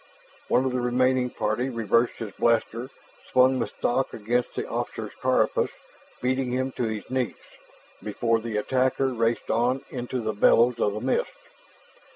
One of the remaining party reversed his blaster, swung the stock against the officer's carapace, beating him to his knees, before the attacker raced on into the billows of the mist.